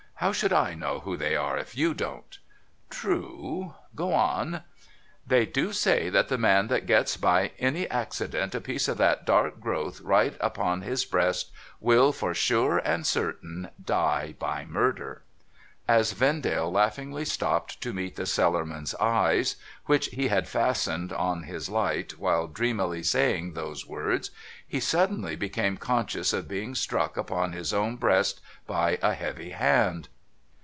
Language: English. How should I know who They are, if you don't ?'' True. Go on.' ' They do say that the man that gets by any accident a piece of that dark growth right upon his breast, will, for sure and certain, die by murder.' As Vendale laughingly stopped to meet the Cellarman's eyes. 504 NO THOROUGHFARE which he had fastened on his Hght while dreamily saying those words, he suddenly became conscious of being struck upon his own breast by a heavy hand.